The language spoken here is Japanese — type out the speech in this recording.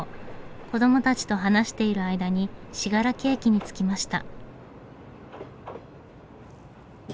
子供たちと話している間に信楽駅に着きました。